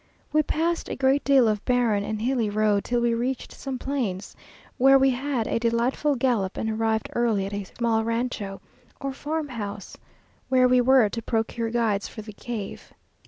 We passed a great deal of barren and hilly road, till we reached some plains, where we had a delightful gallop, and arrived early at a small rancho, or farmhouse, where we were to procure guides for the cave.